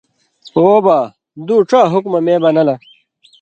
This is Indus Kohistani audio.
وہ با دُو ڇا حُکمہ مے بنہ لہ۔